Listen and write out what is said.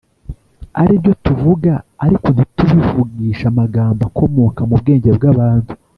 ari byo tuvuga; ariko ntitubivugisha amagambo akomoka mu bwenge bw'abantu